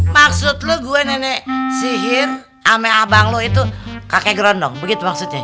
maksud lo gue nenek sihir sama abang lu itu kakek gerondong begitu maksudnya